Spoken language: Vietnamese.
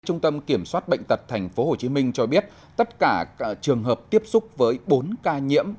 trung tâm kiểm soát bệnh tật tp hcm cho biết tất cả trường hợp tiếp xúc với bốn ca nhiễm